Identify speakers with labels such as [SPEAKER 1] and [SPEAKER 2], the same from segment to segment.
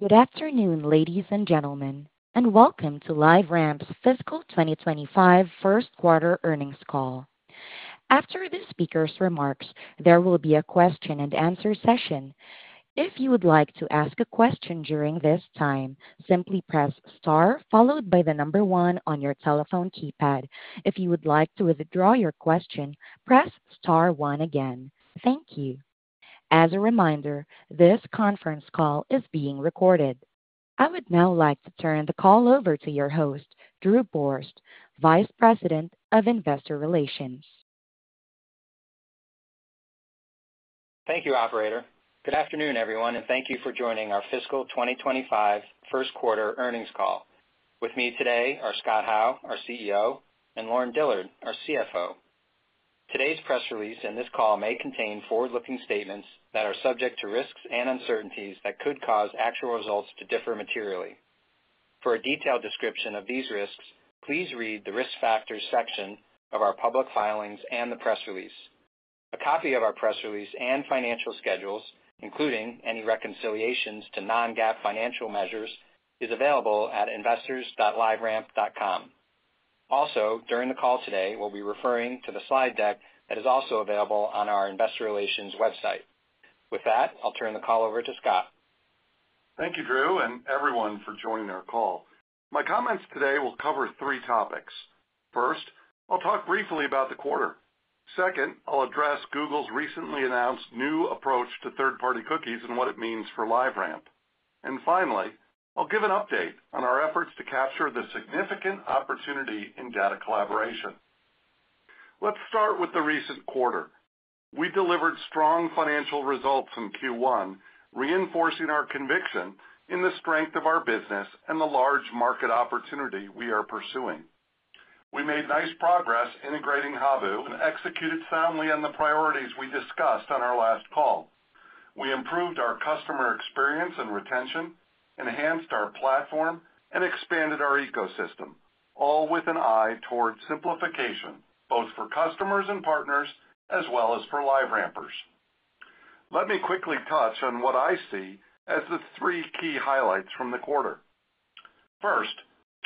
[SPEAKER 1] Good afternoon, ladies and gentlemen, and welcome to LiveRamp's fiscal 2025 first quarter earnings call. After the speaker's remarks, there will be a question-and-answer session. If you would like to ask a question during this time, simply press star followed by the number one on your telephone keypad. If you would like to withdraw your question, press star one again. Thank you. As a reminder, this conference call is being recorded. I would now like to turn the call over to your host, Drew Borst, Vice President of Investor Relations.
[SPEAKER 2] Thank you, Operator. Good afternoon, everyone, and thank you for joining our fiscal 2025 first quarter earnings call. With me today are Scott Howe, our CEO, and Lauren Dillard, our CFO. Today's press release and this call may contain forward-looking statements that are subject to risks and uncertainties that could cause actual results to differ materially. For a detailed description of these risks, please read the risk factors section of our public filings and the press release. A copy of our press release and financial schedules, including any reconciliations to non-GAAP financial measures, is available at investors.liveramp.com. Also, during the call today, we'll be referring to the slide deck that is also available on our Investor Relations website. With that, I'll turn the call over to Scott.
[SPEAKER 3] Thank you, Drew, and everyone for joining our call. My comments today will cover three topics. First, I'll talk briefly about the quarter. Second, I'll address Google's recently announced new approach to third-party cookies and what it means for LiveRamp. And finally, I'll give an update on our efforts to capture the significant opportunity in data collaboration. Let's start with the recent quarter. We delivered strong financial results in Q1, reinforcing our conviction in the strength of our business and the large market opportunity we are pursuing. We made nice progress integrating Habu and executed soundly on the priorities we discussed on our last call. We improved our customer experience and retention, enhanced our platform, and expanded our ecosystem, all with an eye toward simplification both for customers and partners as well as for LiveRampers. Let me quickly touch on what I see as the three key highlights from the quarter. First,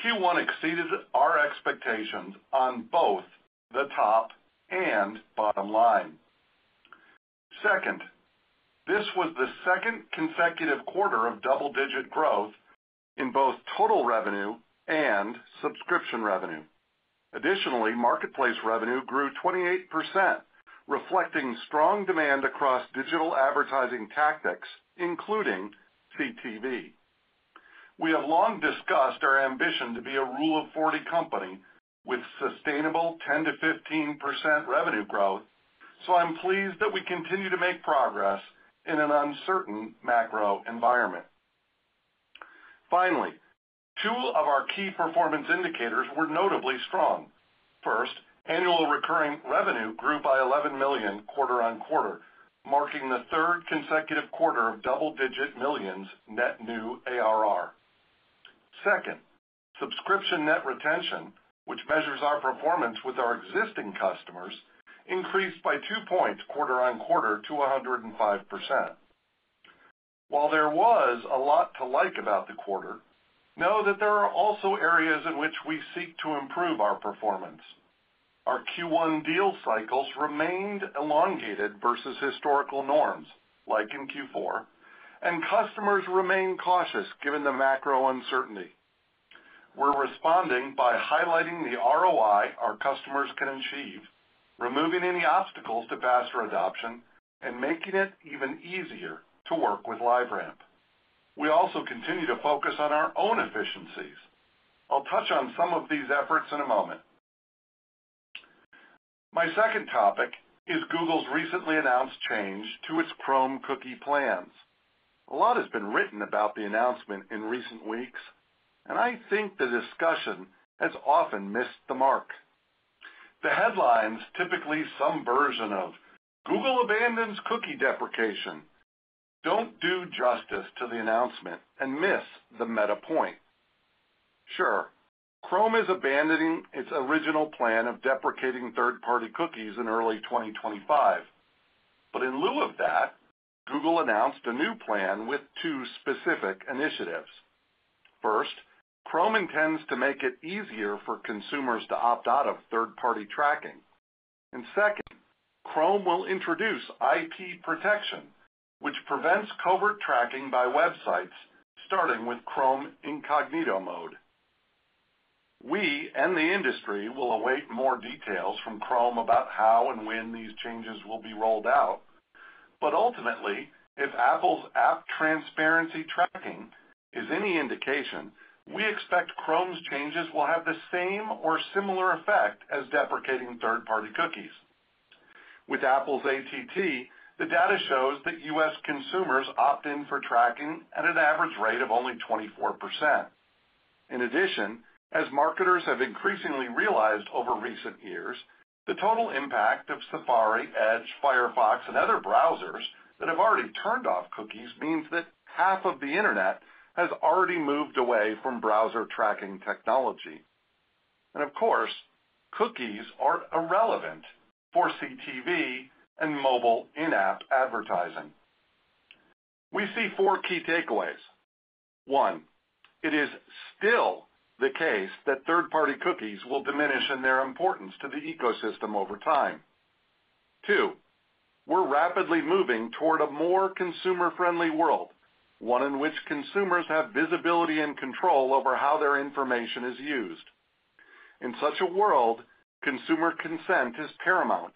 [SPEAKER 3] Q1 exceeded our expectations on both the top and bottom line. Second, this was the second consecutive quarter of double-digit growth in both total revenue and subscription revenue. Additionally, marketplace revenue grew 28%, reflecting strong demand across digital advertising tactics, including CTV. We have long discussed our ambition to be a Rule of 40 company with sustainable 10%-15% revenue growth, so I'm pleased that we continue to make progress in an uncertain macro environment. Finally, two of our key performance indicators were notably strong. First, annual recurring revenue grew by $11 million quarter-over-quarter, marking the third consecutive quarter of double-digit millions net new ARR. Second, subscription net retention, which measures our performance with our existing customers, increased by two points quarter-over-quarter to 105%. While there was a lot to like about the quarter, know that there are also areas in which we seek to improve our performance. Our Q1 deal cycles remained elongated versus historical norms, like in Q4, and customers remain cautious given the macro uncertainty. We're responding by highlighting the ROI our customers can achieve, removing any obstacles to faster adoption, and making it even easier to work with LiveRamp. We also continue to focus on our own efficiencies. I'll touch on some of these efforts in a moment. My second topic is Google's recently announced change to its Chrome cookie plans. A lot has been written about the announcement in recent weeks, and I think the discussion has often missed the mark. The headlines, typically some version of, "Google abandons cookie deprecation," don't do justice to the announcement and miss the meta point. Sure, Chrome is abandoning its original plan of deprecating third-party cookies in early 2025, but in lieu of that, Google announced a new plan with two specific initiatives. First, Chrome intends to make it easier for consumers to opt out of third-party tracking. And second, Chrome will introduce IP protection, which prevents covert tracking by websites, starting with Chrome Incognito mode. We and the industry will await more details from Chrome about how and when these changes will be rolled out. But ultimately, if Apple's App Tracking Transparency is any indication, we expect Chrome's changes will have the same or similar effect as deprecating third-party cookies. With Apple's ATT, the data shows that U.S. consumers opt in for tracking at an average rate of only 24%. In addition, as marketers have increasingly realized over recent years, the total impact of Safari, Edge, Firefox, and other browsers that have already turned off cookies means that half of the internet has already moved away from browser tracking technology. Of course, cookies aren't irrelevant for CTV and mobile in-app advertising. We see four key takeaways. One, it is still the case that third-party cookies will diminish in their importance to the ecosystem over time. Two, we're rapidly moving toward a more consumer-friendly world, one in which consumers have visibility and control over how their information is used. In such a world, consumer consent is paramount,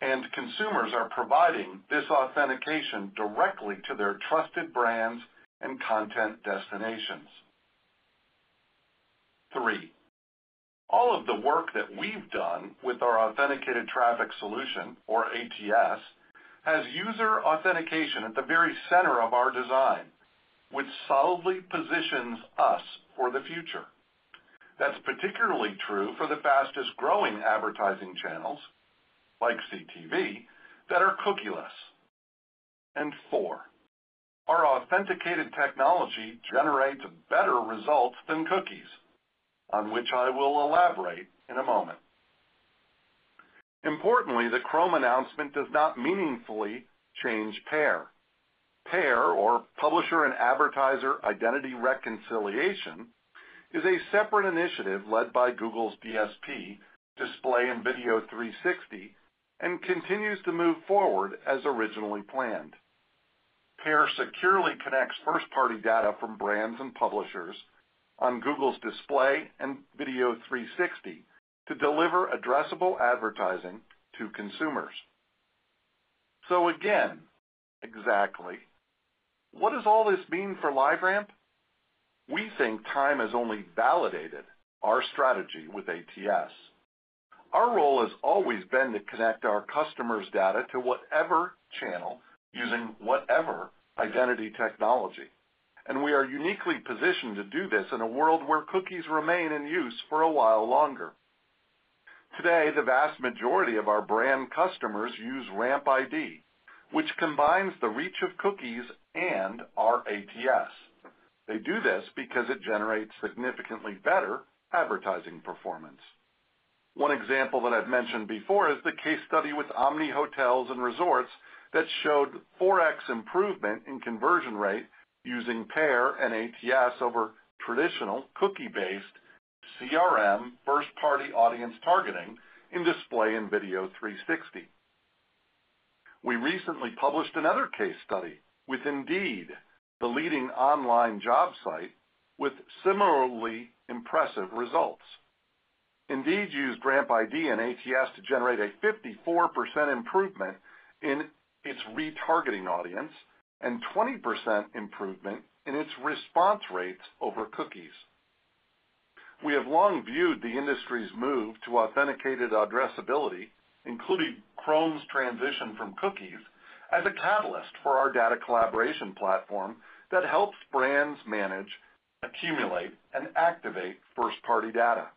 [SPEAKER 3] and consumers are providing this authentication directly to their trusted brands and content destinations. Three, all of the work that we've done with our Authenticated Traffic Solution, or ATS, has user authentication at the very center of our design, which solidly positions us for the future. That's particularly true for the fastest-growing advertising channels, like CTV, that are cookieless. And four, our authenticated technology generates better results than cookies, on which I will elaborate in a moment. Importantly, the Chrome announcement does not meaningfully change PAIR. PAIR, or Publisher and Advertiser Identity Reconciliation, is a separate initiative led by Google's DSP, Display & Video 360, and continues to move forward as originally planned. PAIR securely connects first-party data from brands and publishers on Google's Display & Video 360 to deliver addressable advertising to consumers. So again, exactly, what does all this mean for LiveRamp? We think time has only validated our strategy with ATS. Our role has always been to connect our customers' data to whatever channel using whatever identity technology, and we are uniquely positioned to do this in a world where cookies remain in use for a while longer. Today, the vast majority of our brand customers use RampID, which combines the reach of cookies and our ATS. They do this because it generates significantly better advertising performance. One example that I've mentioned before is the case study with Omni Hotels & Resorts that showed 4x improvement in conversion rate using PAIR and ATS over traditional cookie-based CRM first-party audience targeting in Display & Video 360. We recently published another case study with Indeed, the leading online job site, with similarly impressive results. Indeed used RampID and ATS to generate a 54% improvement in its retargeting audience and 20% improvement in its response rates over cookies. We have long viewed the industry's move to authenticated addressability, including Chrome's transition from cookies, as a catalyst for our data collaboration platform that helps brands manage, accumulate, and activate first-party data.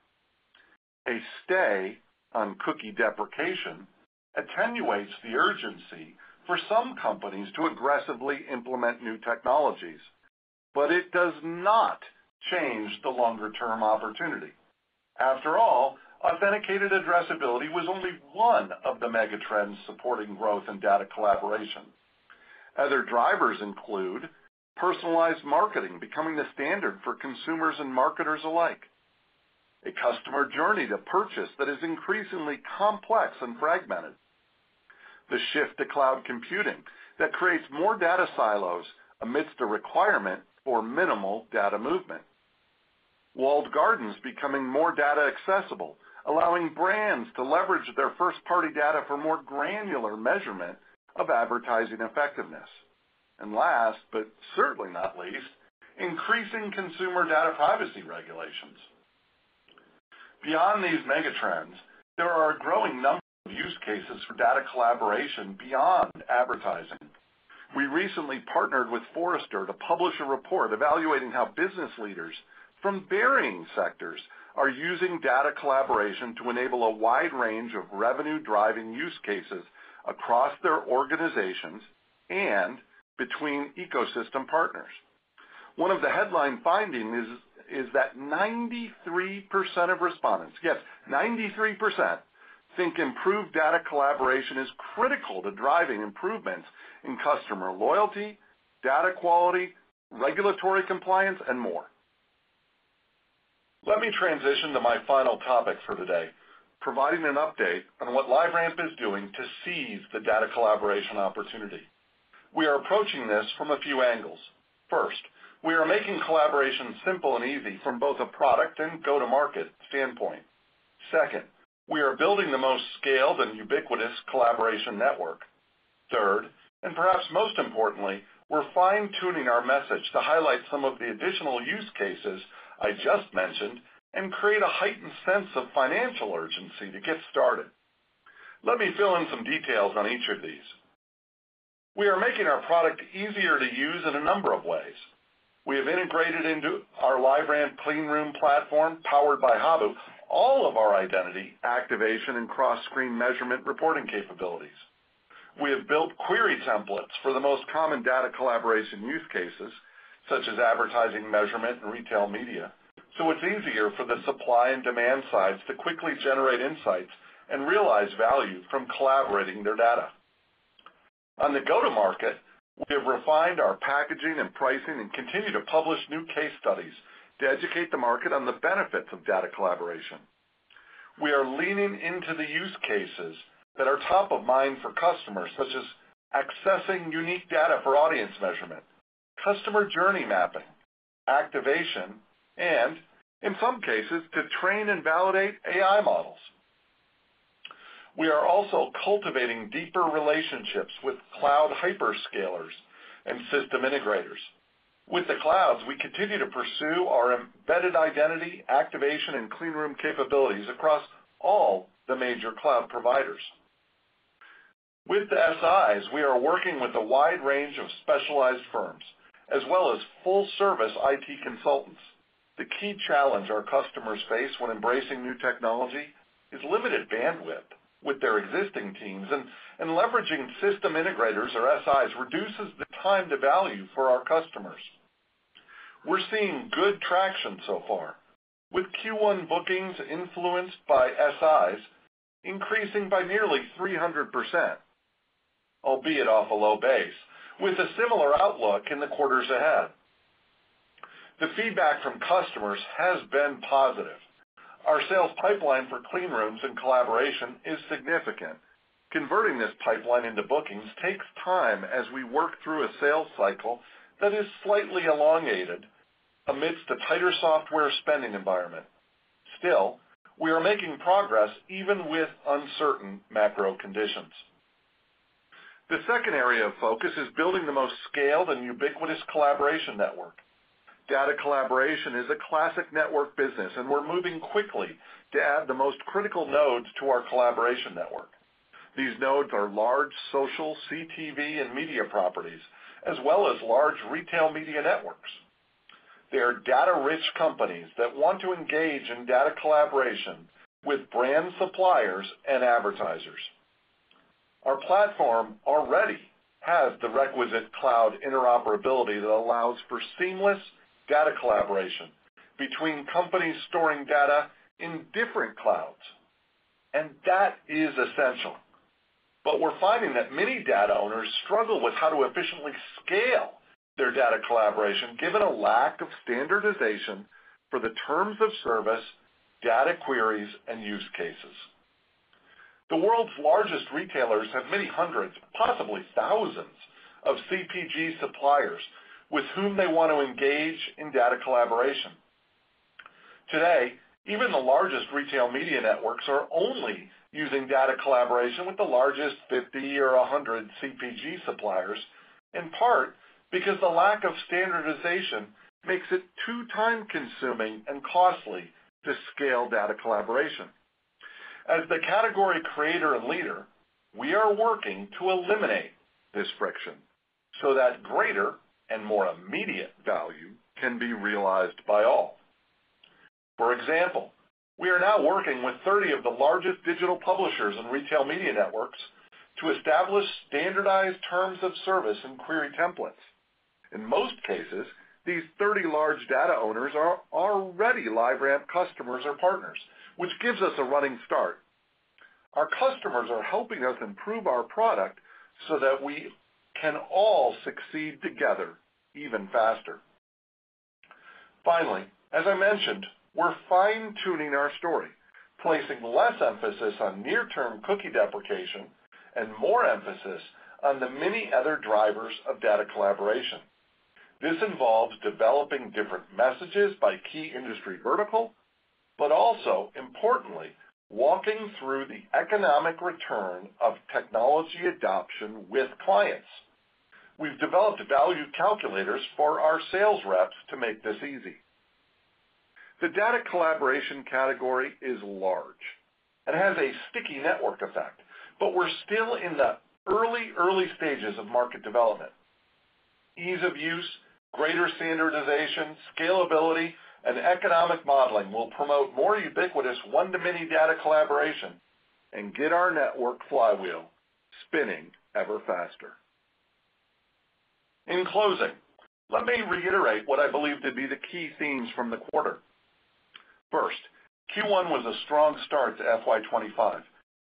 [SPEAKER 3] A stay on cookie deprecation attenuates the urgency for some companies to aggressively implement new technologies, but it does not change the longer-term opportunity. After all, authenticated addressability was only one of the mega trends supporting growth in data collaboration. Other drivers include personalized marketing becoming the standard for consumers and marketers alike, a customer journey to purchase that is increasingly complex and fragmented, the shift to cloud computing that creates more data silos amidst a requirement for minimal data movement, walled gardens becoming more data accessible, allowing brands to leverage their first-party data for more granular measurement of advertising effectiveness, and last but certainly not least, increasing consumer data privacy regulations. Beyond these mega trends, there are a growing number of use cases for data collaboration beyond advertising. We recently partnered with Forrester to publish a report evaluating how business leaders from varying sectors are using data collaboration to enable a wide range of revenue-driving use cases across their organizations and between ecosystem partners. One of the headline findings is that 93% of respondents, yes, 93%, think improved data collaboration is critical to driving improvements in customer loyalty, data quality, regulatory compliance, and more. Let me transition to my final topic for today, providing an update on what LiveRamp is doing to seize the data collaboration opportunity. We are approaching this from a few angles. First, we are making collaboration simple and easy from both a product and go-to-market standpoint. Second, we are building the most scaled and ubiquitous collaboration network. Third, and perhaps most importantly, we're fine-tuning our message to highlight some of the additional use cases I just mentioned and create a heightened sense of financial urgency to get started. Let me fill in some details on each of these. We are making our product easier to use in a number of ways. We have integrated into our LiveRamp Clean Room platform powered by Habu all of our identity activation and cross-screen measurement reporting capabilities. We have built query templates for the most common data collaboration use cases, such as advertising measurement and retail media, so it's easier for the supply and demand sides to quickly generate insights and realize value from collaborating their data. On the go-to-market, we have refined our packaging and pricing and continue to publish new case studies to educate the market on the benefits of data collaboration. We are leaning into the use cases that are top of mind for customers, such as accessing unique data for audience measurement, customer journey mapping, activation, and in some cases, to train and validate AI models. We are also cultivating deeper relationships with cloud hyperscalers and system integrators. With the clouds, we continue to pursue our embedded identity activation and clean room capabilities across all the major cloud providers. With the SIs, we are working with a wide range of specialized firms as well as full-service IT consultants. The key challenge our customers face when embracing new technology is limited bandwidth with their existing teams, and leveraging system integrators or SIs reduces the time to value for our customers. We're seeing good traction so far, with Q1 bookings influenced by SIs increasing by nearly 300%, albeit off a low base, with a similar outlook in the quarters ahead. The feedback from customers has been positive. Our sales pipeline for clean rooms and collaboration is significant. Converting this pipeline into bookings takes time as we work through a sales cycle that is slightly elongated amidst the tighter software spending environment. Still, we are making progress even with uncertain macro conditions. The second area of focus is building the most scaled and ubiquitous collaboration network. Data collaboration is a classic network business, and we're moving quickly to add the most critical nodes to our collaboration network. These nodes are large social CTV and media properties, as well as large retail media networks. They are data-rich companies that want to engage in data collaboration with brand suppliers and advertisers. Our platform already has the requisite cloud interoperability that allows for seamless data collaboration between companies storing data in different clouds, and that is essential. We're finding that many data owners struggle with how to efficiently scale their data collaboration, given a lack of standardization for the terms of service, data queries, and use cases. The world's largest retailers have many hundreds, possibly thousands, of CPG suppliers with whom they want to engage in data collaboration. Today, even the largest retail media networks are only using data collaboration with the largest 50 or 100 CPG suppliers, in part because the lack of standardization makes it too time-consuming and costly to scale data collaboration. As the category creator and leader, we are working to eliminate this friction so that greater and more immediate value can be realized by all. For example, we are now working with 30 of the largest digital publishers and retail media networks to establish standardized terms of service and query templates. In most cases, these 30 large data owners are already LiveRamp customers or partners, which gives us a running start. Our customers are helping us improve our product so that we can all succeed together even faster. Finally, as I mentioned, we're fine-tuning our story, placing less emphasis on near-term cookie deprecation and more emphasis on the many other drivers of data collaboration. This involves developing different messages by key industry vertical, but also, importantly, walking through the economic return of technology adoption with clients. We've developed value calculators for our sales reps to make this easy. The data collaboration category is large. It has a sticky network effect, but we're still in the early, early stages of market development. Ease of use, greater standardization, scalability, and economic modeling will promote more ubiquitous one-to-many data collaboration and get our network flywheel spinning ever faster. In closing, let me reiterate what I believe to be the key themes from the quarter. First, Q1 was a strong start to FY 2025,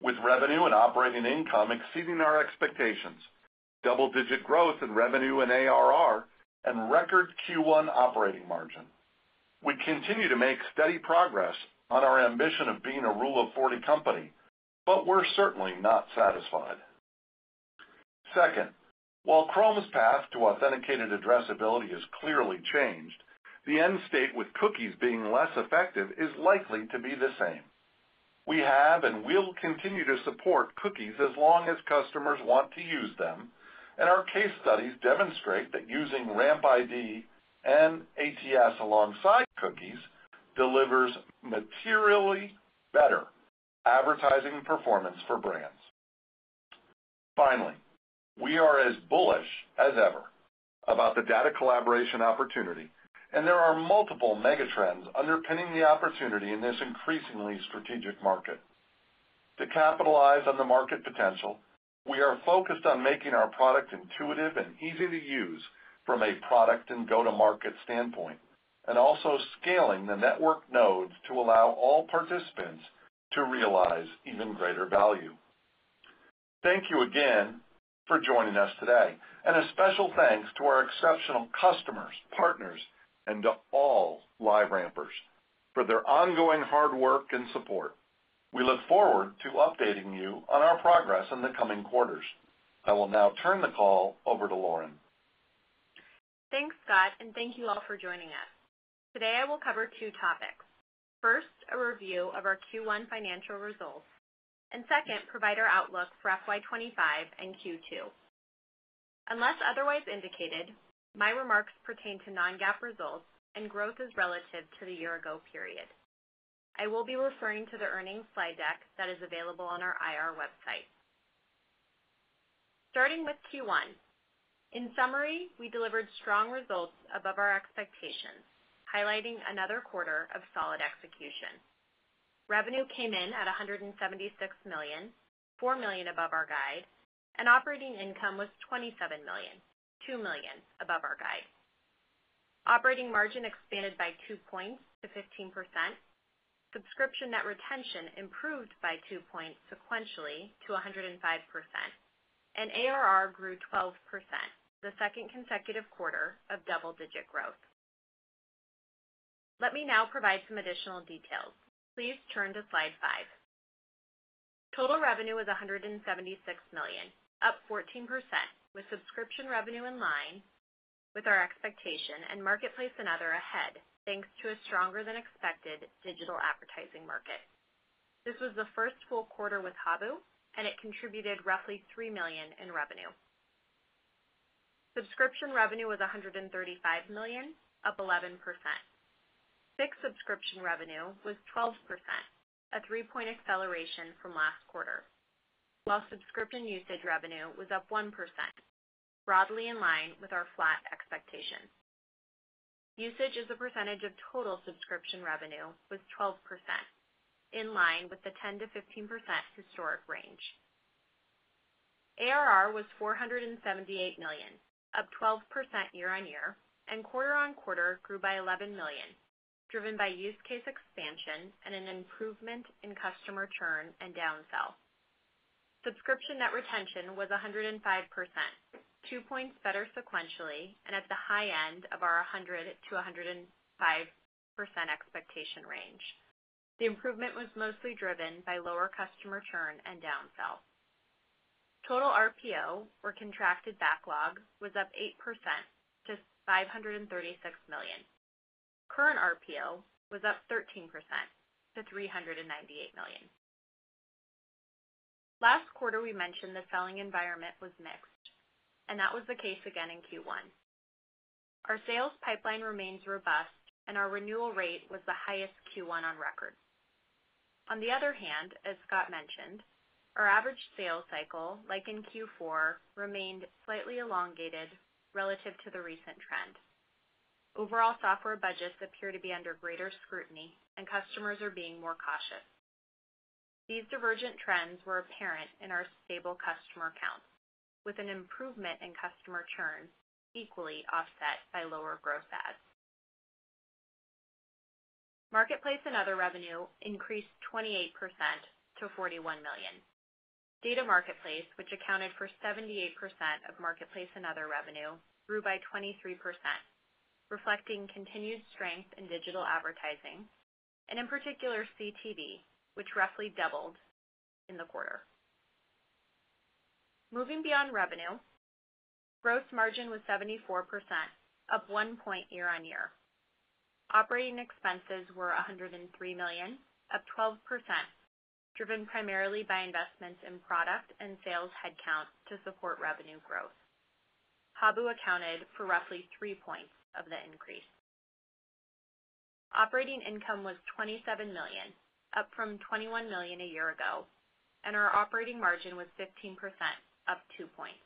[SPEAKER 3] with revenue and operating income exceeding our expectations, double-digit growth in revenue and ARR, and record Q1 operating margin. We continue to make steady progress on our ambition of being a Rule of 40 company, but we're certainly not satisfied. Second, while Chrome's path to authenticated addressability has clearly changed, the end state with cookies being less effective is likely to be the same. We have and will continue to support cookies as long as customers want to use them, and our case studies demonstrate that using RampID and ATS alongside cookies delivers materially better advertising performance for brands. Finally, we are as bullish as ever about the data collaboration opportunity, and there are multiple mega trends underpinning the opportunity in this increasingly strategic market. To capitalize on the market potential, we are focused on making our product intuitive and easy to use from a product and go-to-market standpoint, and also scaling the network nodes to allow all participants to realize even greater value. Thank you again for joining us today, and a special thanks to our exceptional customers, partners, and to all LiveRampers for their ongoing hard work and support. We look forward to updating you on our progress in the coming quarters. I will now turn the call over to Lauren.
[SPEAKER 4] Thanks, Scott, and thank you all for joining us. Today, I will cover two topics. First, a review of our Q1 financial results, and second, provide our outlook for FY 2025 and Q2. Unless otherwise indicated, my remarks pertain to non-GAAP results and growth is relative to the year-ago period. I will be referring to the earnings slide deck that is available on our IR website. Starting with Q1, in summary, we delivered strong results above our expectations, highlighting another quarter of solid execution. Revenue came in at $176 million, $4 million above our guide, and operating income was $27 million, $2 million above our guide. Operating margin expanded by 2 points to 15%. Subscription net retention improved by 2 points sequentially to 105%, and ARR grew 12%, the second consecutive quarter of double-digit growth. Let me now provide some additional details. Please turn to slide 5. Total revenue was $176 million, up 14%, with subscription revenue in line with our expectation and Marketplace & Other ahead, thanks to a stronger-than-expected digital advertising market. This was the first full quarter with Habu, and it contributed roughly $3 million in revenue. Subscription revenue was $135 million, up 11%. Fixed subscription revenue was 12%, a 3-point acceleration from last quarter, while subscription usage revenue was up 1%, broadly in line with our flat expectation. Usage is a percentage of total subscription revenue, which is 12%, in line with the 10%-15% historic range. ARR was $478 million, up 12% year-on-year, and quarter-on-quarter grew by $11 million, driven by use case expansion and an improvement in customer churn and downsell. Subscription net retention was 105%, 2 points better sequentially and at the high end of our 100%-105% expectation range. The improvement was mostly driven by lower customer churn and downsell. Total RPO or contracted backlog was up 8% to $536 million. Current RPO was up 13% to $398 million. Last quarter, we mentioned the selling environment was mixed, and that was the case again in Q1. Our sales pipeline remains robust, and our renewal rate was the highest Q1 on record. On the other hand, as Scott mentioned, our average sales cycle, like in Q4, remained slightly elongated relative to the recent trend. Overall, software budgets appear to be under greater scrutiny, and customers are being more cautious. These divergent trends were apparent in our stable customer count, with an improvement in customer churn equally offset by lower growth ads. Marketplace & Other revenue increased 28% to $41 million. Data Marketplace, which accounted for 78% of Marketplace & Other revenue, grew by 23%, reflecting continued strength in digital advertising, and in particular, CTV, which roughly doubled in the quarter. Moving beyond revenue, gross margin was 74%, up 1 point year-on-year. Operating expenses were $103 million, up 12%, driven primarily by investments in product and sales headcount to support revenue growth. Habu accounted for roughly 3 points of the increase. Operating income was $27 million, up from $21 million a year ago, and our operating margin was 15%, up 2 points.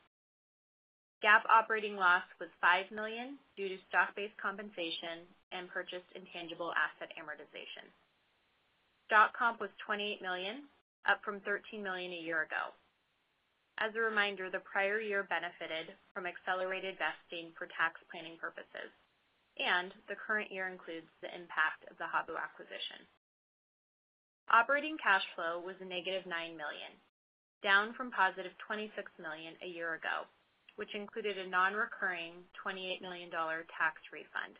[SPEAKER 4] GAAP operating loss was $5 million due to stock-based compensation and purchased intangible asset amortization. Stock comp was $28 million, up from $13 million a year ago. As a reminder, the prior year benefited from accelerated vesting for tax planning purposes, and the current year includes the impact of the Habu acquisition. Operating cash flow was -$9 million, down from +$26 million a year ago, which included a non-recurring $28 million tax refund.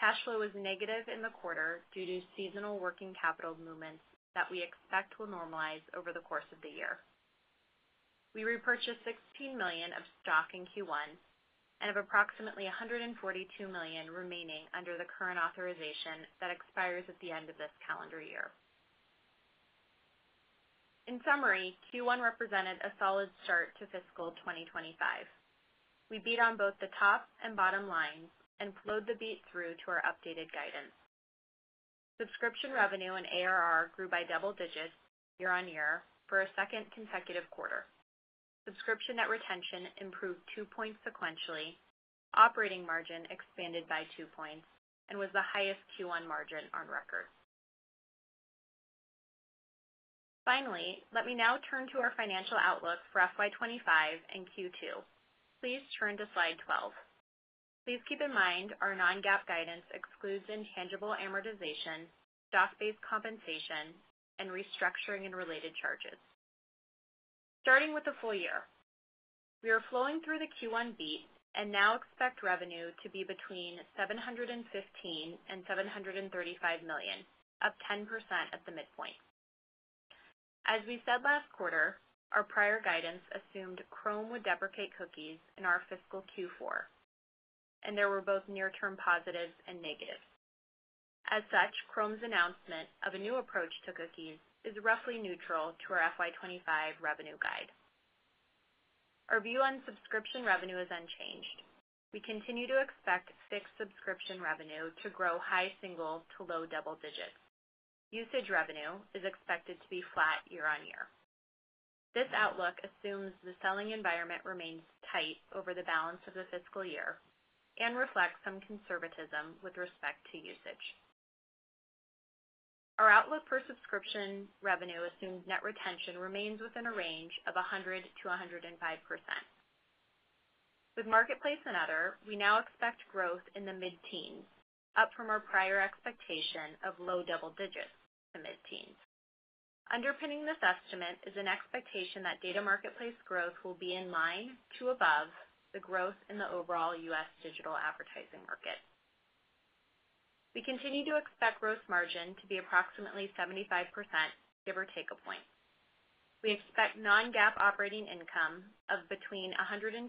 [SPEAKER 4] Cash flow was negative in the quarter due to seasonal working capital movement that we expect will normalize over the course of the year. We repurchased 16 million of stock in Q1 and have approximately 142 million remaining under the current authorization that expires at the end of this calendar year. In summary, Q1 represented a solid start to fiscal 2025. We beat on both the top and bottom line and flowed the beat through to our updated guidance. Subscription revenue and ARR grew by double digits year-over-year for a second consecutive quarter. Subscription net retention improved 2 points sequentially, operating margin expanded by 2 points, and was the highest Q1 margin on record. Finally, let me now turn to our financial outlook for FY 2025 and Q2. Please turn to slide 12. Please keep in mind our non-GAAP guidance excludes intangible amortization, stock-based compensation, and restructuring and related charges. Starting with the full year, we are flowing through the Q1 beat and now expect revenue to be between $715 million and $735 million, up 10% at the midpoint. As we said last quarter, our prior guidance assumed Chrome would deprecate cookies in our fiscal Q4, and there were both near-term positives and negatives. As such, Chrome's announcement of a new approach to cookies is roughly neutral to our FY 2025 revenue guide. Our view on subscription revenue is unchanged. We continue to expect fixed subscription revenue to grow high single to low double digits. Usage revenue is expected to be flat year-on-year. This outlook assumes the selling environment remains tight over the balance of the fiscal year and reflects some conservatism with respect to usage. Our outlook for subscription revenue assumes net retention remains within a range of 100%-105%. With Marketplace & Other, we now expect growth in the mid-teens, up from our prior expectation of low double digits to mid-teens. Underpinning this estimate is an expectation that Data Marketplace growth will be in line to above the growth in the overall U.S. digital advertising market. We continue to expect gross margin to be approximately 75%, give or take a point. We expect non-GAAP operating income of between $127 million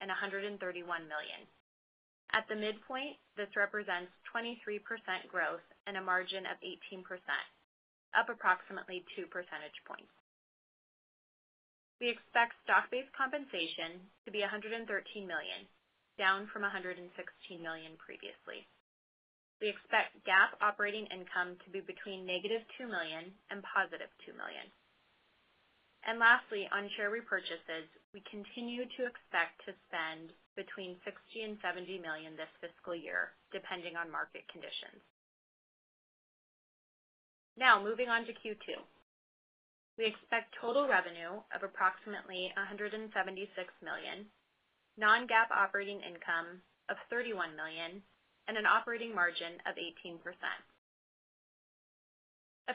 [SPEAKER 4] and $131 million. At the midpoint, this represents 23% growth and a margin of 18%, up approximately 2 percentage points. We expect stock-based compensation to be $113 million, down from $116 million previously. We expect GAAP operating income to be between -$2 million and +$2 million. And lastly, on share repurchases, we continue to expect to spend between $60 million and $70 million this fiscal year, depending on market conditions. Now, moving on to Q2, we expect total revenue of approximately $176 million, non-GAAP operating income of $31 million, and an operating margin of 18%.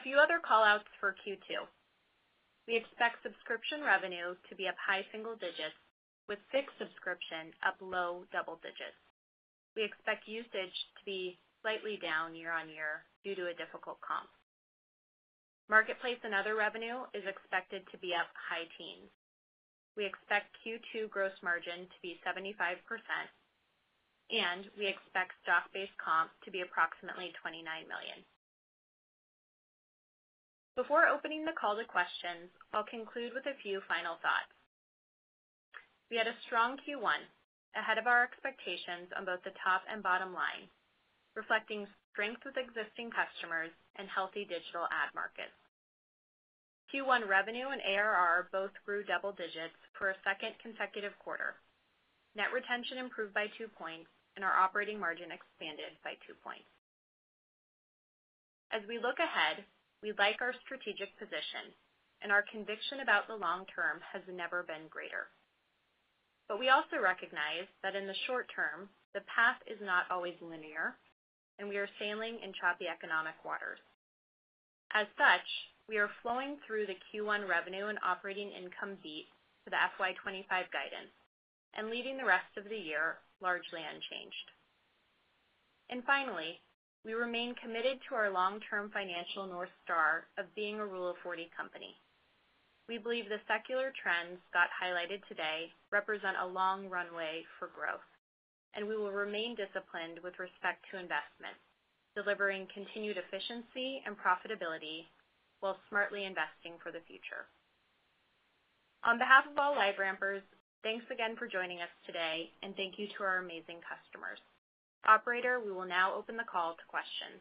[SPEAKER 4] A few other callouts for Q2. We expect subscription revenue to be up high single digits, with fixed subscription up low double digits. We expect usage to be slightly down year-on-year due to a difficult comp. Marketplace & Other revenue is expected to be up high teens. We expect Q2 gross margin to be 75%, and we expect stock-based comp to be approximately $29 million. Before opening the call to questions, I'll conclude with a few final thoughts. We had a strong Q1 ahead of our expectations on both the top and bottom line, reflecting strength with existing customers and healthy digital ad markets. Q1 revenue and ARR both grew double digits for a second consecutive quarter. Net retention improved by 2 points, and our operating margin expanded by 2 points. As we look ahead, we like our strategic position, and our conviction about the long term has never been greater. But we also recognize that in the short term, the path is not always linear, and we are sailing in choppy economic waters. As such, we are flowing through the Q1 revenue and operating income beat to the FY 2025 guidance and leaving the rest of the year largely unchanged. Finally, we remain committed to our long-term financial North Star of being a Rule of 40 company. We believe the secular trends got highlighted today represent a long runway for growth, and we will remain disciplined with respect to investment, delivering continued efficiency and profitability while smartly investing for the future. On behalf of all LiveRampers, thanks again for joining us today, and thank you to our amazing customers. Operator, we will now open the call to questions.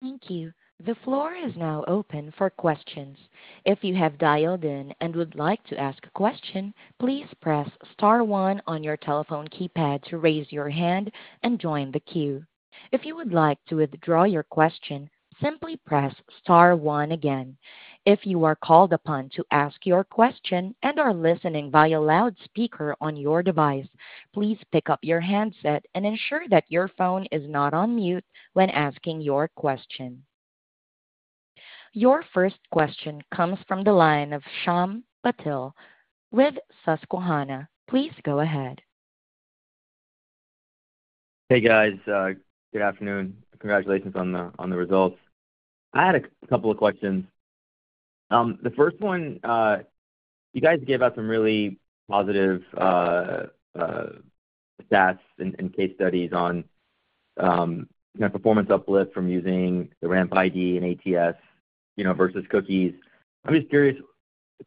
[SPEAKER 1] Thank you. The floor is now open for questions. If you have dialed in and would like to ask a question, please press Star 1 on your telephone keypad to raise your hand and join the queue. If you would like to withdraw your question, simply press Star 1 again. If you are called upon to ask your question and are listening via loudspeaker on your device, please pick up your handset and ensure that your phone is not on mute when asking your question. Your first question comes from the line of Shyam Patil with Susquehanna. Please go ahead.
[SPEAKER 5] Hey guys, good afternoon. Congratulations on the results. I had a couple of questions. The first one, you guys gave out some really positive stats and case studies on performance uplift from using the RampID and ATS versus cookies. I'm just curious,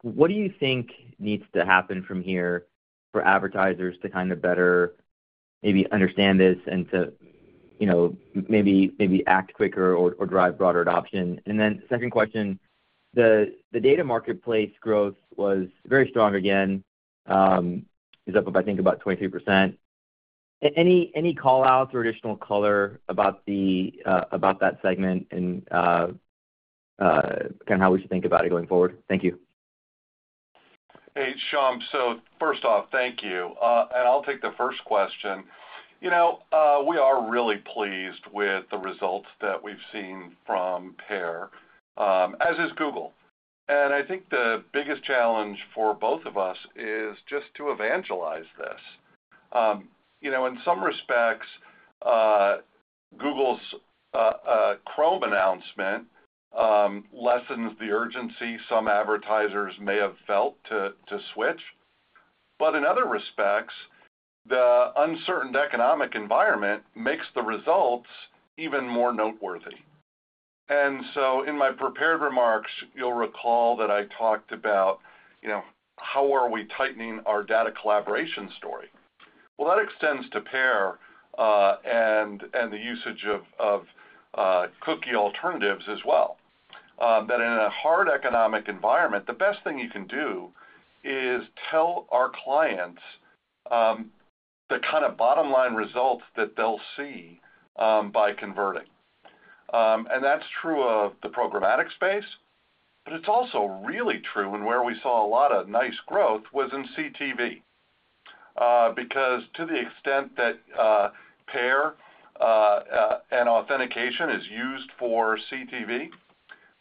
[SPEAKER 5] what do you think needs to happen from here for advertisers to kind of better maybe understand this and to maybe act quicker or drive broader adoption? And then second question, the Data Marketplace growth was very strong again, is up, I think, about 23%. Any callouts or additional color about that segment and kind of how we should think about it going forward? Thank you.
[SPEAKER 3] Hey, Shyam, so first off, thank you. I'll take the first question. You know, we are really pleased with the results that we've seen from PAIR, as is Google. I think the biggest challenge for both of us is just to evangelize this. In some respects, Google's Chrome announcement lessens the urgency some advertisers may have felt to switch. But in other respects, the uncertain economic environment makes the results even more noteworthy. And so in my prepared remarks, you'll recall that I talked about how are we tightening our data collaboration story. Well, that extends to PAIR and the usage of cookie alternatives as well. That in a hard economic environment, the best thing you can do is tell our clients the kind of bottom line results that they'll see by converting. And that's true of the programmatic space, but it's also really true in where we saw a lot of nice growth was in CTV. Because to the extent that PAIR and authentication is used for CTV,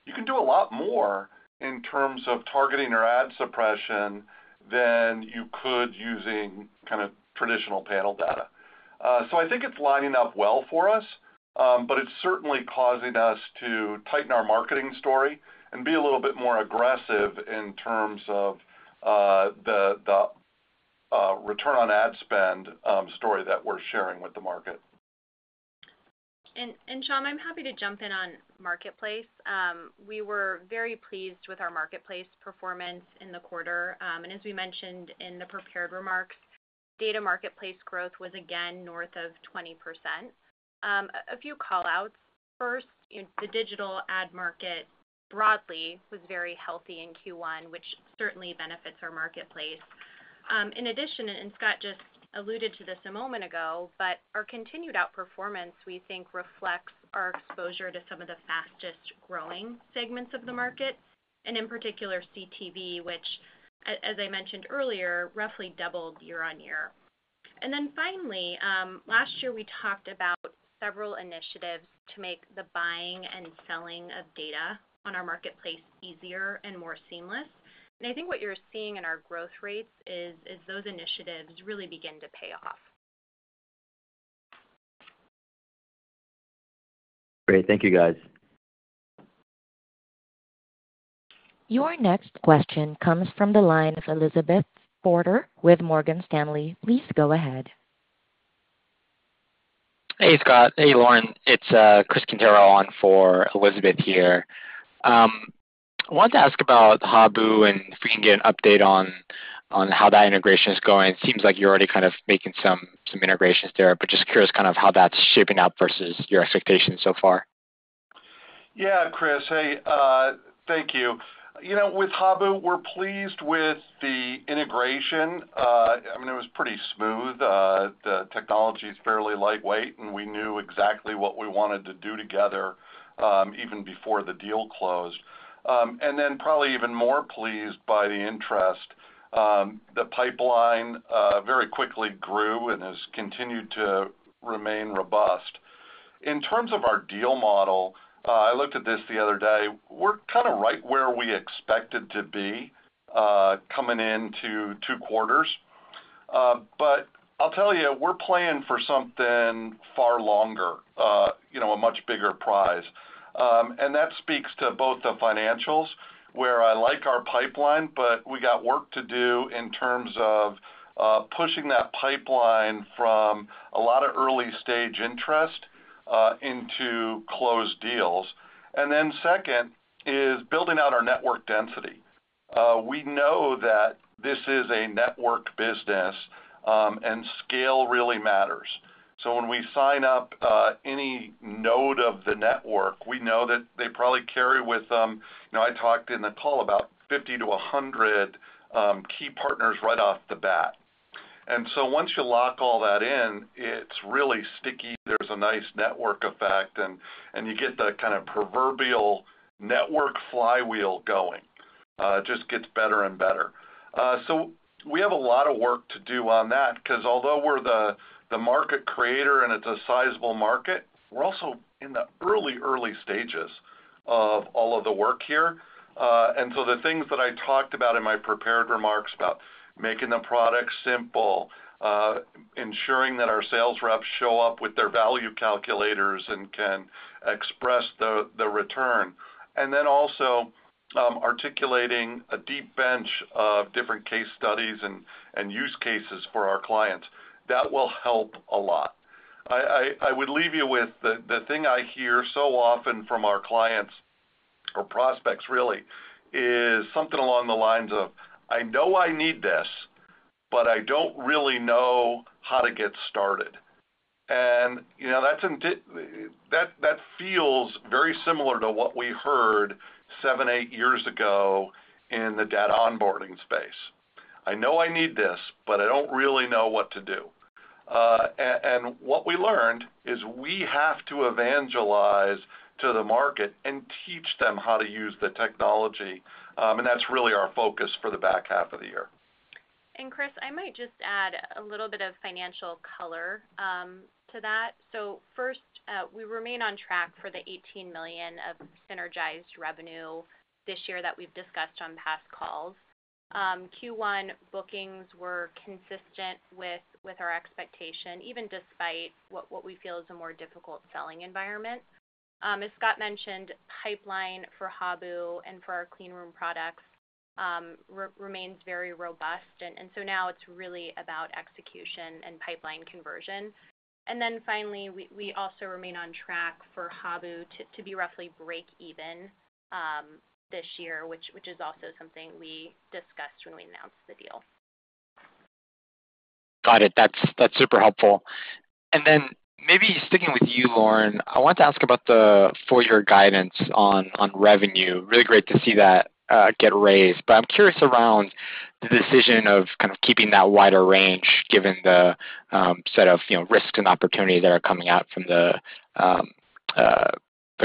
[SPEAKER 3] you can do a lot more in terms of targeting or ad suppression than you could using kind of traditional panel data. So I think it's lining up well for us, but it's certainly causing us to tighten our marketing story and be a little bit more aggressive in terms of the return on ad spend story that we're sharing with the market.
[SPEAKER 4] And Shyam, I'm happy to jump in on marketplace. We were very pleased with our marketplace performance in the quarter. And as we mentioned in the prepared remarks, Data Marketplace growth was again north of 20%. A few callouts. First, the digital ad market broadly was very healthy in Q1, which certainly benefits our marketplace. In addition, and Scott just alluded to this a moment ago, but our continued outperformance, we think, reflects our exposure to some of the fastest growing segments of the market, and in particular, CTV, which, as I mentioned earlier, roughly doubled year-on-year. And then finally, last year, we talked about several initiatives to make the buying and selling of data on our marketplace easier and more seamless. And I think what you're seeing in our growth rates is those initiatives really begin to pay off.
[SPEAKER 5] Great. Thank you, guys.
[SPEAKER 1] Your next question comes from the line of Elizabeth Porter with Morgan Stanley. Please go ahead.
[SPEAKER 6] Hey, Scott. Hey, Lauren. It's Chris Quintero on for Elizabeth here. I wanted to ask about Habu and if we can get an update on how that integration is going. It seems like you're already kind of making some integrations there, but just curious kind of how that's shaping up versus your expectations so far.
[SPEAKER 3] Yeah, Chris, hey, thank you. You know, with Habu, we're pleased with the integration. I mean, it was pretty smooth. The technology is fairly lightweight, and we knew exactly what we wanted to do together even before the deal closed. And then probably even more pleased by the interest, the pipeline very quickly grew and has continued to remain robust. In terms of our deal model, I looked at this the other day. We're kind of right where we expected to be coming into two quarters. But I'll tell you, we're playing for something far longer, a much bigger prize. And that speaks to both the financials, where I like our pipeline, but we got work to do in terms of pushing that pipeline from a lot of early stage interest into closed deals. And then second is building out our network density. We know that this is a network business, and scale really matters. So when we sign up any node of the network, we know that they probably carry with them. I talked in the call about 50-100 key partners right off the bat. And so once you lock all that in, it's really sticky. There's a nice network effect, and you get the kind of proverbial network flywheel going. It just gets better and better. So we have a lot of work to do on that because although we're the market creator and it's a sizable market, we're also in the early, early stages of all of the work here. The things that I talked about in my prepared remarks about making the product simple, ensuring that our sales reps show up with their value calculators and can express the return, and then also articulating a deep bench of different case studies and use cases for our clients, that will help a lot. I would leave you with the thing I hear so often from our clients or prospects, really, is something along the lines of, "I know I need this, but I don't really know how to get started." And that feels very similar to what we heard 7, 8 years ago in the data onboarding space. "I know I need this, but I don't really know what to do." And what we learned is we have to evangelize to the market and teach them how to use the technology. That's really our focus for the back half of the year.
[SPEAKER 4] Chris, I might just add a little bit of financial color to that. So first, we remain on track for $18 million of synergized revenue this year that we've discussed on past calls. Q1 bookings were consistent with our expectation, even despite what we feel is a more difficult selling environment. As Scott mentioned, pipeline for Habu and for our clean room products remains very robust. And so now it's really about execution and pipeline conversion. And then finally, we also remain on track for Habu to be roughly break-even this year, which is also something we discussed when we announced the deal.
[SPEAKER 6] Got it. That's super helpful. And then maybe sticking with you, Lauren, I want to ask about the four-year guidance on revenue. Really great to see that get raised. But I'm curious around the decision of kind of keeping that wider range given the set of risks and opportunities that are coming out from the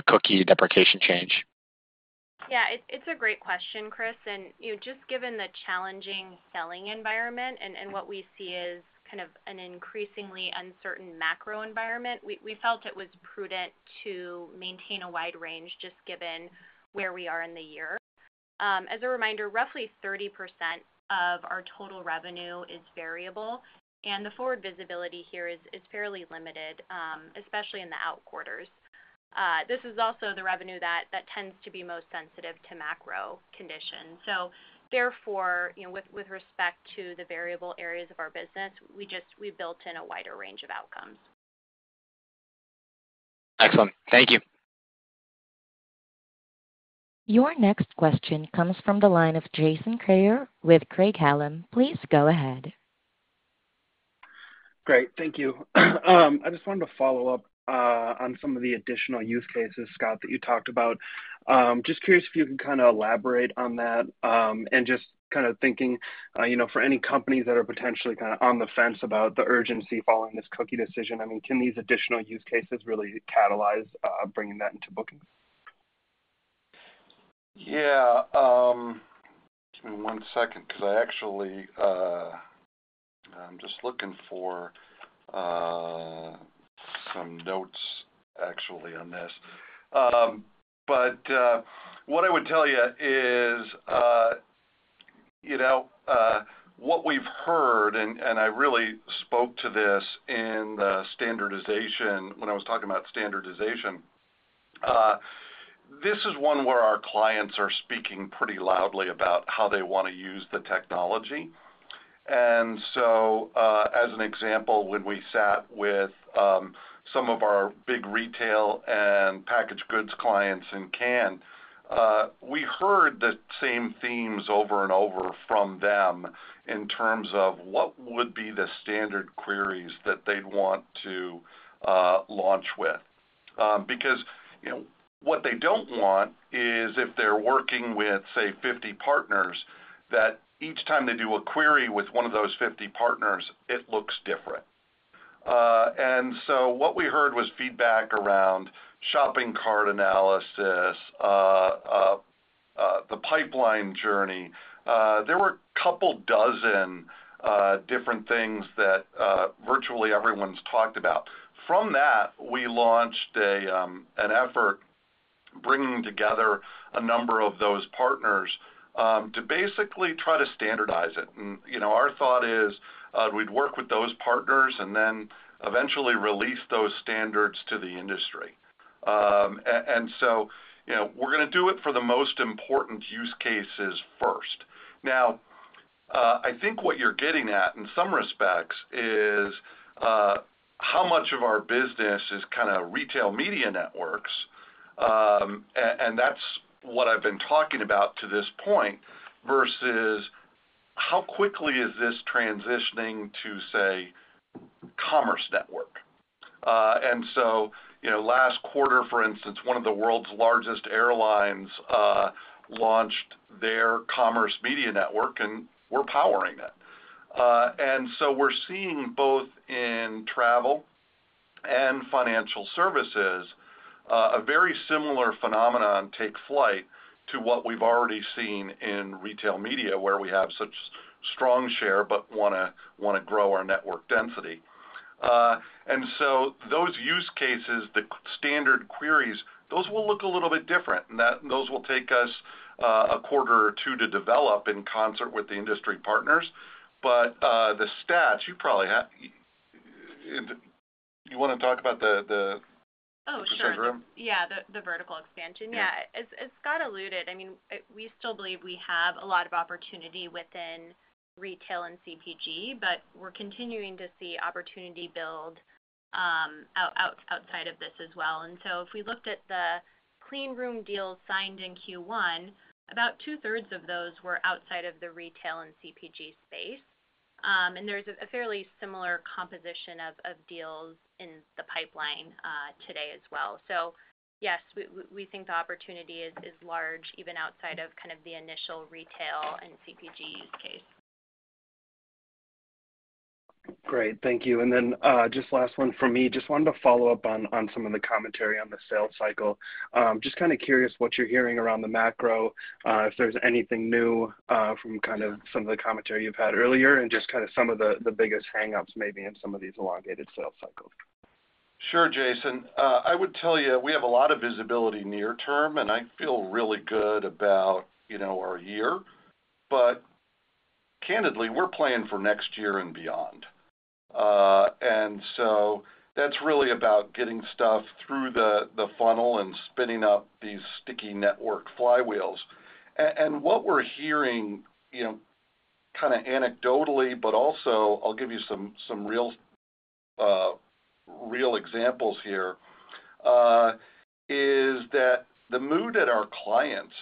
[SPEAKER 6] cookie deprecation change.
[SPEAKER 4] Yeah, it's a great question, Chris. And just given the challenging selling environment and what we see as kind of an increasingly uncertain macro environment, we felt it was prudent to maintain a wide range just given where we are in the year. As a reminder, roughly 30% of our total revenue is variable, and the forward visibility here is fairly limited, especially in the out quarters. This is also the revenue that tends to be most sensitive to macro conditions. So therefore, with respect to the variable areas of our business, we built in a wider range of outcomes.
[SPEAKER 6] Excellent. Thank you.
[SPEAKER 1] Your next question comes from the line of Jason Kreyer with Craig-Hallum. Please go ahead.
[SPEAKER 7] Great. Thank you. I just wanted to follow up on some of the additional use cases, Scott, that you talked about. Just curious if you can kind of elaborate on that. And just kind of thinking for any companies that are potentially kind of on the fence about the urgency following this cookie decision, I mean, can these additional use cases really catalyze bringing that into booking?
[SPEAKER 3] Yeah. Give me one second because actually I'm just looking for some notes, actually, on this. But what I would tell you is what we've heard, and I really spoke to this in the standardization when I was talking about standardization, this is one where our clients are speaking pretty loudly about how they want to use the technology. So, as an example, when we sat with some of our big retail and packaged goods clients in Cannes, we heard the same themes over and over from them in terms of what would be the standard queries that they'd want to launch with. Because what they don't want is if they're working with, say, 50 partners, that each time they do a query with one of those 50 partners, it looks different. What we heard was feedback around shopping cart analysis, the pipeline journey. There were a couple dozen different things that virtually everyone's talked about. From that, we launched an effort bringing together a number of those partners to basically try to standardize it. Our thought is we'd work with those partners and then eventually release those standards to the industry. We're going to do it for the most important use cases first. Now, I think what you're getting at in some respects is how much of our business is kind of retail media networks, and that's what I've been talking about to this point, versus how quickly is this transitioning to, say, commerce network. Last quarter, for instance, one of the world's largest airlines launched their commerce media network, and we're powering it. We're seeing both in travel and financial services a very similar phenomenon take flight to what we've already seen in retail media, where we have such strong share but want to grow our network density. Those use cases, the standard queries, those will look a little bit different. Those will take us a quarter or two to develop in concert with the industry partners. You wanna talk about the vertical?
[SPEAKER 4] Oh, sure. Yeah, the vertical expansion. Yeah. As Scott alluded, I mean, we still believe we have a lot of opportunity within retail and CPG, but we're continuing to see opportunity build outside of this as well. And so if we looked at the clean room deals signed in Q1, about two-thirds of those were outside of the retail and CPG space. And there's a fairly similar composition of deals in the pipeline today as well. So yes, we think the opportunity is large even outside of kind of the initial retail and CPG use case.
[SPEAKER 7] Great. Thank you. And then just last one from me. Just wanted to follow up on some of the commentary on the sales cycle. Just kind of curious what you're hearing around the macro, if there's anything new from kind of some of the commentary you've had earlier, and just kind of some of the biggest hangups maybe in some of these elongated sales cycles?
[SPEAKER 3] Sure, Jason. I would tell you, we have a lot of visibility near term, and I feel really good about our year. But candidly, we're playing for next year and beyond. And so that's really about getting stuff through the funnel and spinning up these sticky network flywheels. And what we're hearing kind of anecdotally, but also I'll give you some real examples here, is that the mood at our clients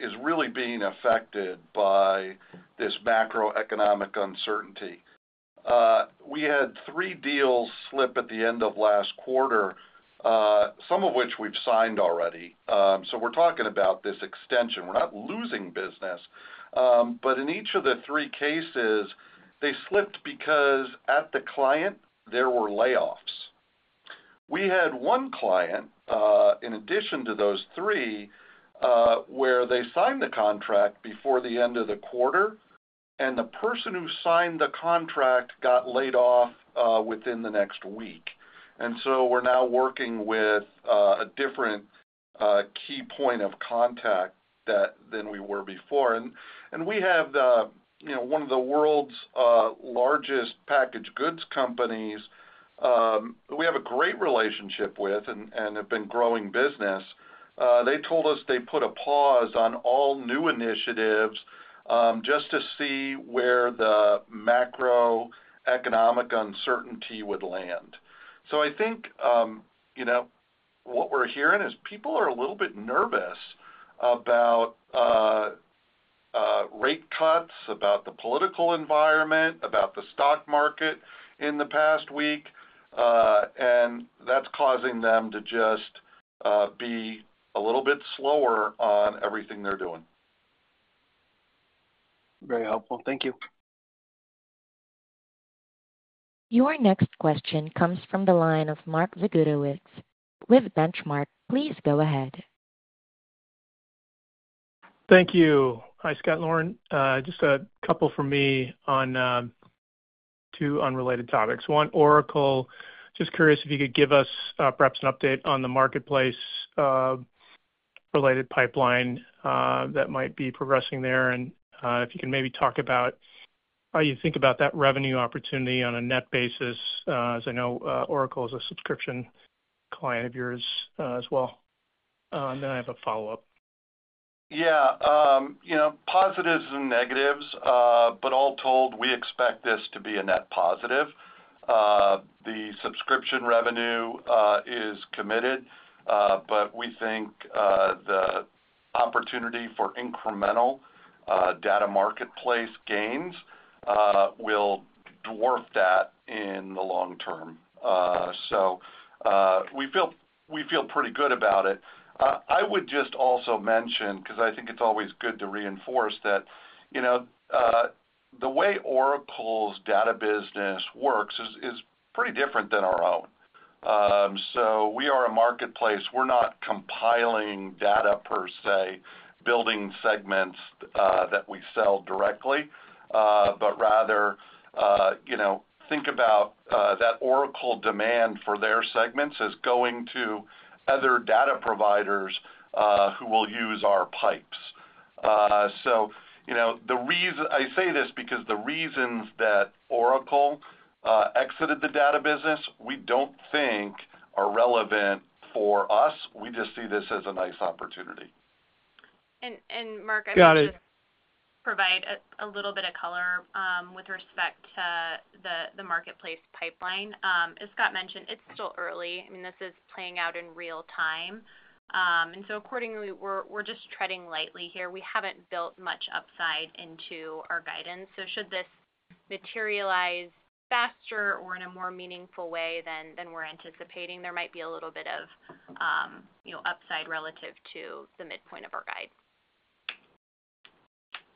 [SPEAKER 3] is really being affected by this macroeconomic uncertainty. We had three deals slip at the end of last quarter, some of which we've signed already. So we're talking about this extension. We're not losing business. But in each of the three cases, they slipped because at the client, there were layoffs. We had one client, in addition to those three, where they signed the contract before the end of the quarter, and the person who signed the contract got laid off within the next week. And so we're now working with a different key point of contact than we were before. And we have one of the world's largest packaged goods companies we have a great relationship with and have been growing business. They told us they put a pause on all new initiatives just to see where the macroeconomic uncertainty would land. So I think what we're hearing is people are a little bit nervous about rate cuts, about the political environment, about the stock market in the past week. That's causing them to just be a little bit slower on everything they're doing.
[SPEAKER 7] Very helpful. Thank you.
[SPEAKER 1] Your next question comes from the line of Mark Zgutowicz with Benchmark. Please go ahead.
[SPEAKER 8] Thank you. Hi, Scott and Lauren. Just a couple from me on two unrelated topics. One, Oracle. Just curious if you could give us perhaps an update on the marketplace-related pipeline that might be progressing there. And if you can maybe talk about how you think about that revenue opportunity on a net basis, as I know Oracle is a subscription client of yours as well. Then I have a follow-up.
[SPEAKER 3] Yeah. Positives and negatives, but all told, we expect this to be a net positive. The subscription revenue is committed, but we think the opportunity for incremental Data Marketplace gains will dwarf that in the long term. So we feel pretty good about it. I would just also mention, because I think it's always good to reinforce, that the way Oracle's data business works is pretty different than our own. So we are a marketplace. We're not compiling data per se, building segments that we sell directly, but rather think about that Oracle demand for their segments is going to other data providers who will use our pipes. So I say this because the reasons that Oracle exited the data business, we don't think are relevant for us. We just see this as a nice opportunity.
[SPEAKER 4] And Mark, I'm going to.
[SPEAKER 8] Got it.
[SPEAKER 4] Provide a little bit of color with respect to the marketplace pipeline. As Scott mentioned, it's still early. I mean, this is playing out in real time. And so accordingly, we're just treading lightly here. We haven't built much upside into our guidance. So should this materialize faster or in a more meaningful way than we're anticipating, there might be a little bit of upside relative to the midpoint of our guide.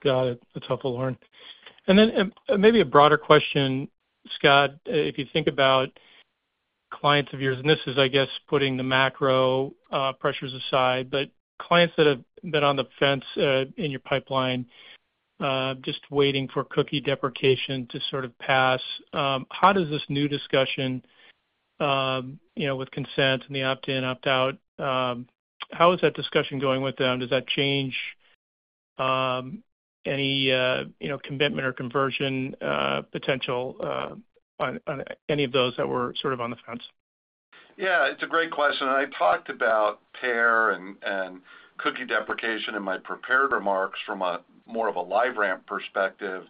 [SPEAKER 8] Got it. That's helpful, Lauren. And then maybe a broader question, Scott, if you think about clients of yours, and this is, I guess, putting the macro pressures aside, but clients that have been on the fence in your pipeline, just waiting for cookie deprecation to sort of pass, how does this new discussion with consent and the opt-in, opt-out, how is that discussion going with them? Does that change any commitment or conversion potential on any of those that were sort of on the fence?
[SPEAKER 3] Yeah, it's a great question. And I talked about PAIR and cookie deprecation in my prepared remarks from more of a LiveRamp perspective.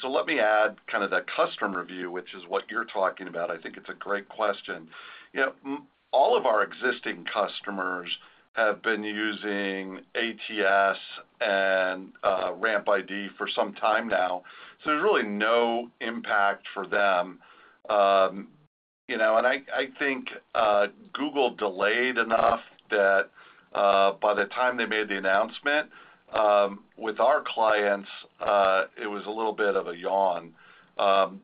[SPEAKER 3] So let me add kind of the customer view, which is what you're talking about. I think it's a great question. All of our existing customers have been using ATS and RampID for some time now. So there's really no impact for them. And I think Google delayed enough that by the time they made the announcement, with our clients, it was a little bit of a yawn.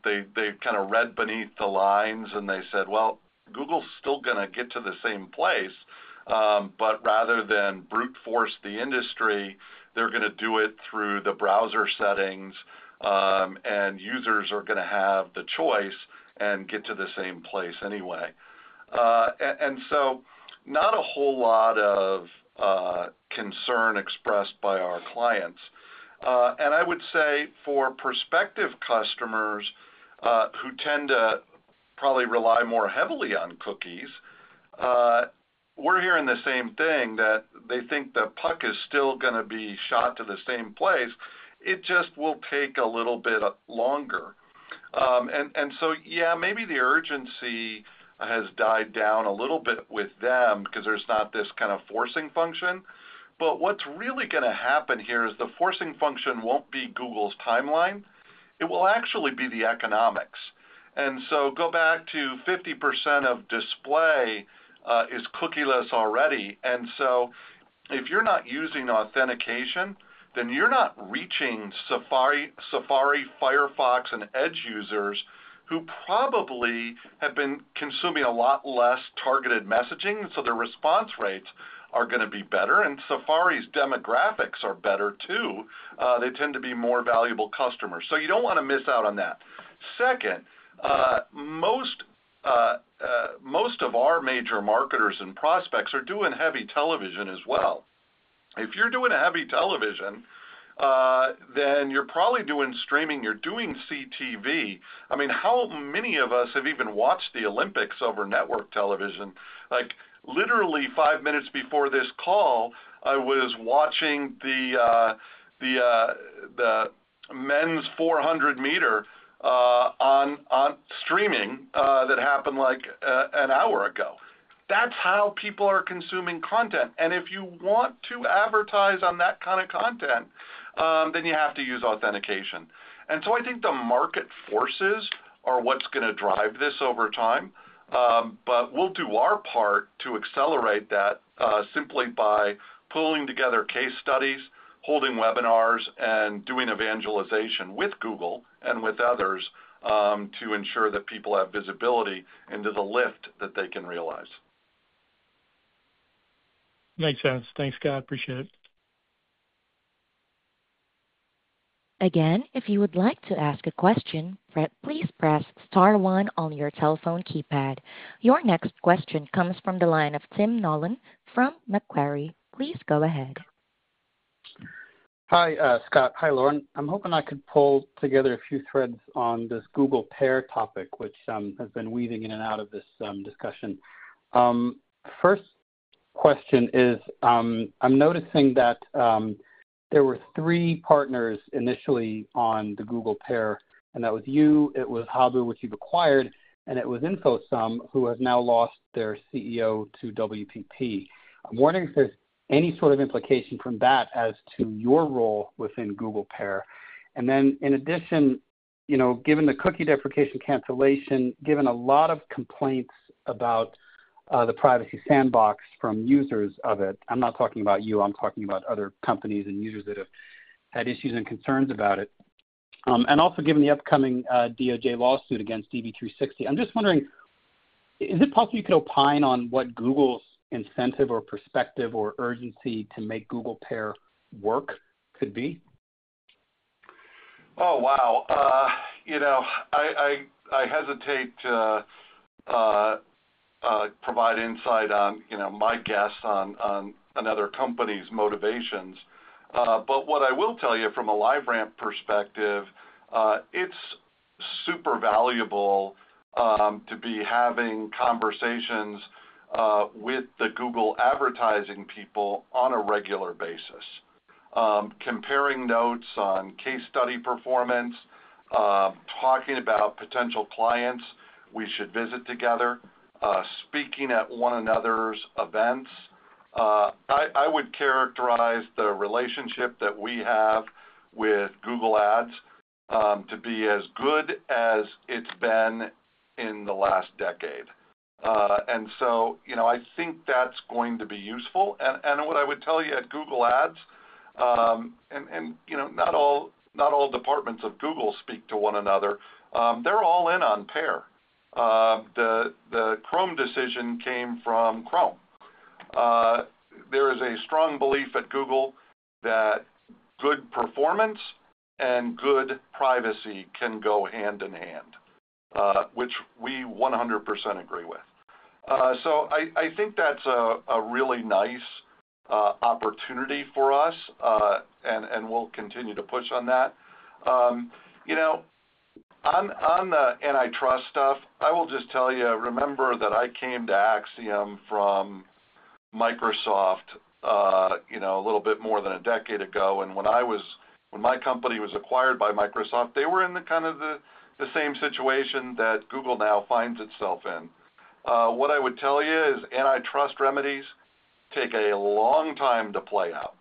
[SPEAKER 3] They kind of read between the lines, and they said, "Well, Google's still going to get to the same place. But rather than brute force the industry, they're going to do it through the browser settings, and users are going to have the choice and get to the same place anyway." And so not a whole lot of concern expressed by our clients. I would say for prospective customers who tend to probably rely more heavily on cookies, we're hearing the same thing, that they think the puck is still going to be shot to the same place. It just will take a little bit longer. And so, yeah, maybe the urgency has died down a little bit with them because there's not this kind of forcing function. But what's really going to happen here is the forcing function won't be Google's timeline. It will actually be the economics. And so go back to 50% of display is cookieless already. And so if you're not using authentication, then you're not reaching Safari, Firefox, and Edge users who probably have been consuming a lot less targeted messaging. And so their response rates are going to be better. And Safari's demographics are better too. They tend to be more valuable customers. So you don't want to miss out on that. Second, most of our major marketers and prospects are doing heavy television as well. If you're doing heavy television, then you're probably doing streaming. You're doing CTV. I mean, how many of us have even watched the Olympics over network television? Literally, 5 minutes before this call, I was watching the men's 400-meter on streaming that happened like an hour ago. That's how people are consuming content. And if you want to advertise on that kind of content, then you have to use authentication. And so I think the market forces are what's going to drive this over time. But we'll do our part to accelerate that simply by pulling together case studies, holding webinars, and doing evangelization with Google and with others to ensure that people have visibility into the lift that they can realize.
[SPEAKER 8] Makes sense. Thanks, Scott. Appreciate it.
[SPEAKER 1] Again, if you would like to ask a question, please press star one on your telephone keypad. Your next question comes from the line of Tim Nollen from Macquarie. Please go ahead.
[SPEAKER 9] Hi, Scott. Hi, Lauren. I'm hoping I could pull together a few threads on this Google PAIR topic, which has been weaving in and out of this discussion. First question is, I'm noticing that there were three partners initially on the Google PAIR, and that was you, it was Habu which you've acquired, and it was InfoSum who have now lost their CEO to WPP. I'm wondering if there's any sort of implication from that as to your role within Google PAIR. And then in addition, given the cookie deprecation cancellation, given a lot of complaints about the Privacy Sandbox from users of it, I'm not talking about you. I'm talking about other companies and users that have had issues and concerns about it. Also given the upcoming DOJ lawsuit against DV360, I'm just wondering, is it possible you could opine on what Google's incentive or perspective or urgency to make Google PAIR work could be?
[SPEAKER 3] Oh, wow. I hesitate to provide insight on my guess on another company's motivations. But what I will tell you from a LiveRamp perspective, it's super valuable to be having conversations with the Google advertising people on a regular basis. Comparing notes on case study performance, talking about potential clients we should visit together, speaking at one another's events. I would characterize the relationship that we have with Google Ads to be as good as it's been in the last decade. So I think that's going to be useful. What I would tell you at Google Ads, and not all departments of Google speak to one another, they're all in on PAIR. The Chrome decision came from Chrome. There is a strong belief at Google that good performance and good privacy can go hand in hand, which we 100% agree with. So I think that's a really nice opportunity for us, and we'll continue to push on that. On the antitrust stuff, I will just tell you, remember that I came to Acxiom from Microsoft a little bit more than a decade ago. And when my company was acquired by Microsoft, they were in kind of the same situation that Google now finds itself in. What I would tell you is antitrust remedies take a long time to play out.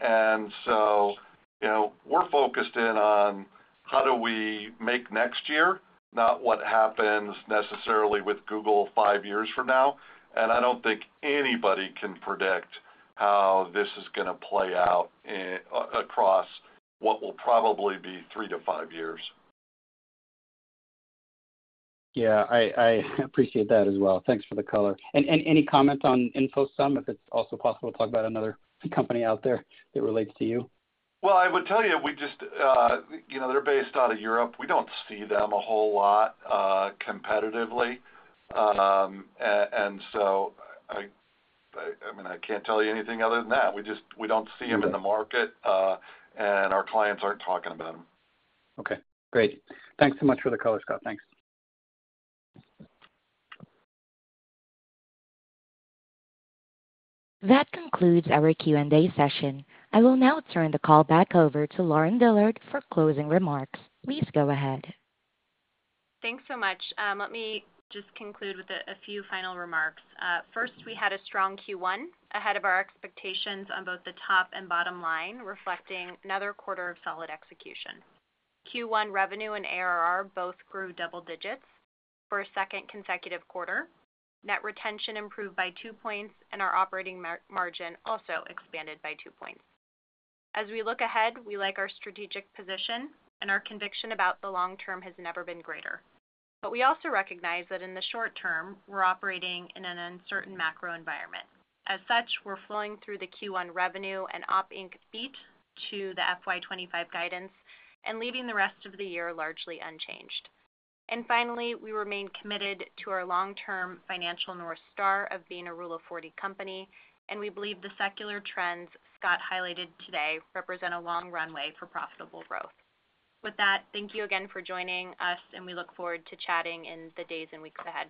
[SPEAKER 3] And so we're focused in on how do we make next year, not what happens necessarily with Google five years from now. And I don't think anybody can predict how this is going to play out across what will probably be three to five years.
[SPEAKER 9] Yeah, I appreciate that as well. Thanks for the color. And any comments on InfoSum, if it's also possible to talk about another company out there that relates to you?
[SPEAKER 3] Well, I would tell you we just they're based out of Europe. We don't see them a whole lot competitively. And so, I mean, I can't tell you anything other than that. We don't see them in the market, and our clients aren't talking about them.
[SPEAKER 9] Okay. Great. Thanks so much for the color, Scott. Thanks.
[SPEAKER 1] That concludes our Q&A session. I will now turn the call back over to Lauren Dillard for closing remarks. Please go ahead.
[SPEAKER 4] Thanks so much. Let me just conclude with a few final remarks. First, we had a strong Q1 ahead of our expectations on both the top and bottom line, reflecting another quarter of solid execution. Q1 revenue and ARR both grew double digits for a second consecutive quarter. Net retention improved by two points, and our operating margin also expanded by two points. As we look ahead, we like our strategic position, and our conviction about the long term has never been greater. But we also recognize that in the short term, we're operating in an uncertain macro environment. As such, we're flowing through the Q1 revenue and operating income beat to the FY 2025 guidance and leaving the rest of the year largely unchanged. Finally, we remain committed to our long-term financial North Star of being a Rule of 40 company, and we believe the secular trends Scott highlighted today represent a long runway for profitable growth. With that, thank you again for joining us, and we look forward to chatting in the days and weeks ahead.